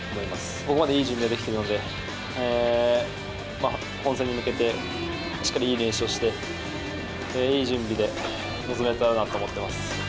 ここまでいい準備ができているので、本戦に向けてしっかりいい練習をして、いい準備で臨めたらなと思ってます。